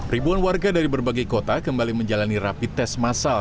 ribuan warga dari berbagai kota kembali menjalani rapid test massal